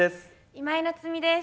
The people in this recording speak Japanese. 今井菜津美です。